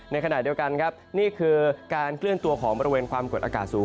ในขณะเดียวกันครับนี่คือการเคลื่อนตัวของบริเวณความกดอากาศสูง